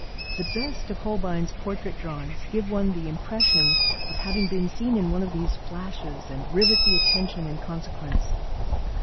The best of Holbein's portrait drawings give one the impression of having been seen in one of these flashes and rivet the attention in consequence.